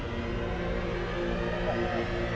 mẹ của tôi